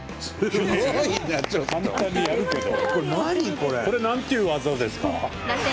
これ何ていう技ですか？